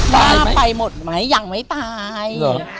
ว่าไปหมดไหมยังไม่ตาย